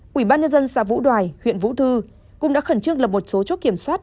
quỹ ban nhân dân xã vũ đoài huyện vũ thư cũng đã khẩn trương lập một số chốt kiểm soát